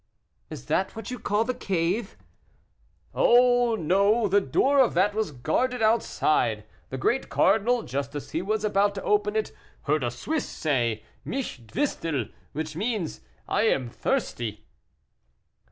"Is that what you call the cave?" "Oh! no; the door of that was guarded outside. The great cardinal, just as he was about to open it, heard a Swiss say, 'Mich dwistel,' which means, 'I am thirsty.